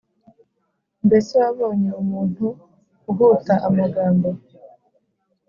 mbese wabonye umuntu uhuta amagambo?